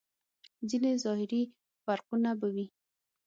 ځينې ظاهري فرقونه به وي.